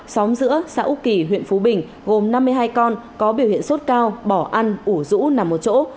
xóm giữa xã úc kỳ huyện phú bình gồm năm mươi hai con có biểu hiện sốt cao bỏ ăn ủ rũ nằm ở chỗ